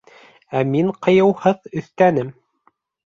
Ә мин ҡыйыуһыҙ өҫтәнем: